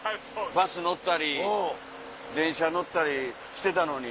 バス乗ったり電車乗ったりしてたのに。